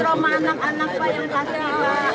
trauma anak anak pak yang kasihan